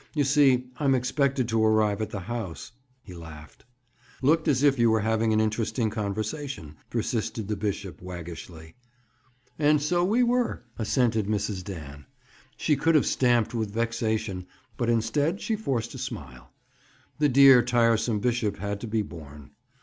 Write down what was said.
"You see, I'm expected to arrive at the house," he laughed. "Looked as if you were having an interesting conversation," persisted the bishop waggishly. "And so we were," assented Mrs. Dan. She could have stamped with vexation, but instead, she forced a smile. The dear tiresome bishop had to be borne.